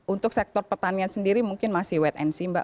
untuk sektor pertanian sendiri mungkin masih wait and see mbak